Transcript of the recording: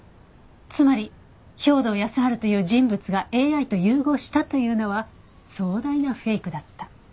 つまり兵働耕春という人物がＡＩと融合したというのは壮大なフェイクだった。